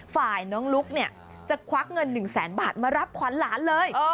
ฝ่ายน้องลุ๊กเนี่ยจะควักเงิน๑แสนบาทมารับขวัญหลานเลย